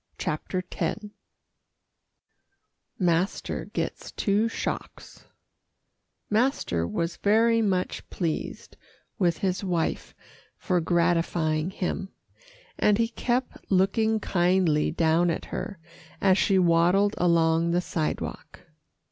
CHAPTER X MASTER GETS TWO SHOCKS Master was very much pleased with his wife for gratifying him, and he kept looking kindly down at her as she waddled along the sidewalk.